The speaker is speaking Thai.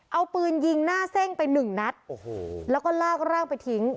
เอาปืนยิงหน้าเซ่งไปหนึ่งนัดโอ้โหแล้วก็ลากร่างไปทิ้ง